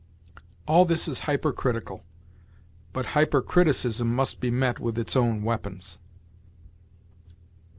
All this is hypercritical, but hypercriticism must be met with its own weapons.